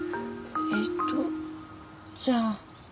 えっとじゃあ。